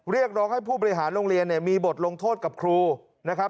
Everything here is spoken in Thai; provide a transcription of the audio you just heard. เรียกร้องให้ผู้บริหารโรงเรียนเนี่ยมีบทลงโทษกับครูนะครับ